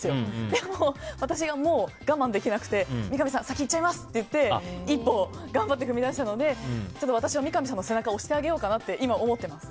でも、私がもう我慢できなくて三上さん先、行っちゃいますって言って一歩頑張って踏み出したので私が三上さんの背中を押してあげようかなと今、思ってます。